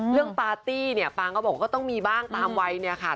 ปาร์ตี้เนี่ยปางก็บอกว่าก็ต้องมีบ้างตามวัยเนี่ยค่ะ